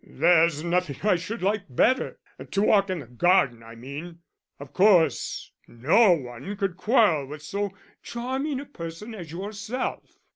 "There's nothing I should like better to walk in the garden, I mean: of course, no one could quarrel with so charming a person as yourself."